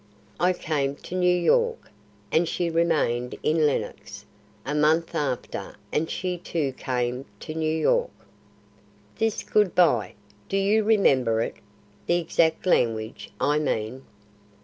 I came to New York, and she remained in Lenox. A month after and she too came to New York." "This good bye do you remember it? The exact language, I mean?"